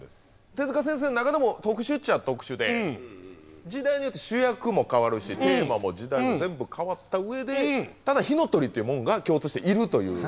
手先生の中でも特殊っちゃ特殊で時代によって主役も変わるしテーマも時代も全部変わった上でただ火の鳥ってもんが共通しているという。